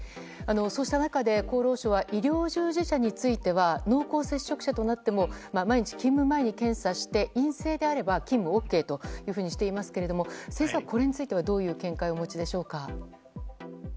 そうした中で、厚労省は医療従事者については濃厚接触者となっても毎日、勤務前に検査して陰性であれば勤務ＯＫとしていますが先生は、これについてはどういう見解をお持ちでしょうか。